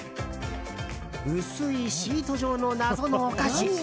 薄いシート状の謎のお菓子。